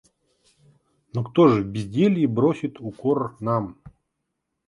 Но кто же в безделье бросит укор нам?